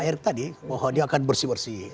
pak erk tadi bahwa dia akan bersih bersih